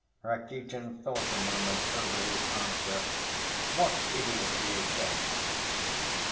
Rakitin thought a moment over his answer. "What idiocy is this?"